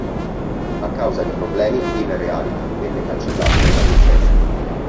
A causa di problemi il reality venne cancellato dai palinsesti.